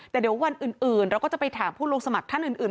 แต่เดี๋ยววันอื่นเราก็จะไปถามผู้ลงสมัครท่านอื่น